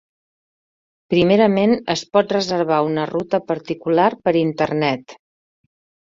Primerament, es pot reservar una ruta particular per internet.